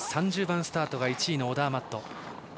３０番スタートが１位のオダーマット。